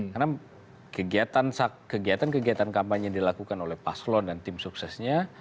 karena kegiatan kegiatan kampanye yang dilakukan oleh paslon dan tim suksesnya